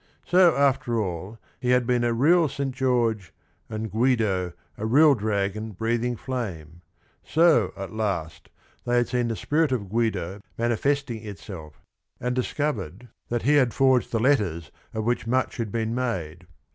So after all he had been a real St. George and Guido " a real dragon breathing flame." So, at last, they had seen the spirit of Guido mani festing itself and discovered that he had forged 90 THE RING AND THE BOOK the letters of which much had been made.